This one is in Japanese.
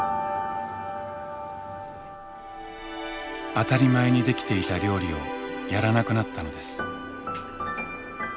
当たり前にできていた料理をやらなくなったのです。